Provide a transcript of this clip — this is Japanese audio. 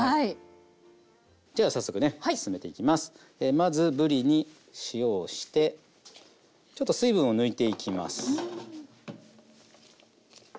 まずぶりに塩をしてちょっと水分を抜いていきます。